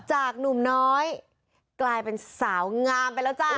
หนุ่มน้อยกลายเป็นสาวงามไปแล้วจ้า